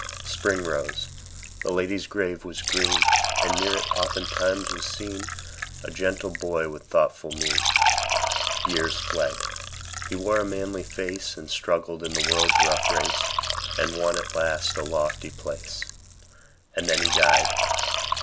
Spring rose; the lady's grave was green; And near it, oftentimes, was seen A gentle boy with thoughtful mien. Years fled; he wore a manly face, And struggled in the world's rough race, And won at last a lofty place. And then he died!